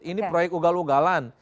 ini proyek ugal ugalan